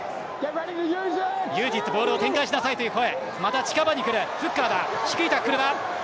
ユーズイット、ボールを展開しなさいという声。